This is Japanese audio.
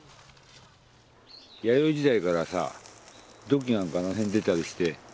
弥生時代からさ土器なんかあの辺出たりして。